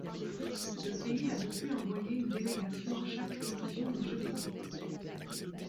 Le pays a depuis envoyé une délégation à chaque édition des Jeux d'été.